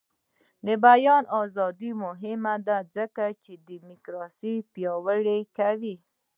د بیان ازادي مهمه ده ځکه چې دیموکراسي پیاوړې کوي.